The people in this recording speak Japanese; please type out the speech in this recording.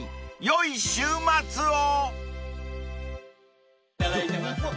［良い週末を］